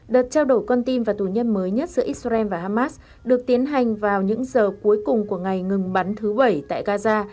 đợt trao đổi con tin và tù nhân mới nhất giữa israel và hamas được tiến hành vào những giờ cuối cùng của ngày ngừng bắn thứ bảy tại gaza